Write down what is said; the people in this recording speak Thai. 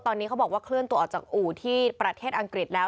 ตอนนี้เขาบอกว่าเคลื่อนตัวออกจากอู่ที่ประเทศอังกฤษแล้ว